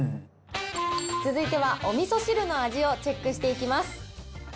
続いてはおみそ汁の味をチェックしていきます。